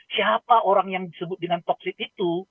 siapa orang yang disebut dengan toksik itu